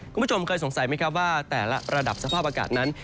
คุณผู้ชมเคยสงสัยไหมครับว่าแต่ละระดับสภาพอากาศนั้น